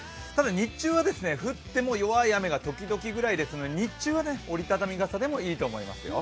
日中は降っても弱い雨が時々ぐらいですので日中は折りたたみ傘でもいいと思いますよ。